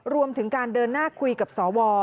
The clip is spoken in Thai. รวมถึงการเดินหน้าคุยกับสว